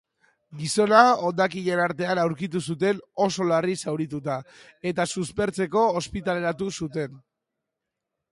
Gizona hondakinen artean aurkitu zuten oso larri zaurituta eta suspertzeko ospitaleratu zuten.